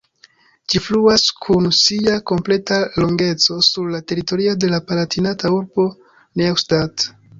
Ĝi fluas kun sia kompleta longeco sur la teritorio de la palatinata urbo Neustadt.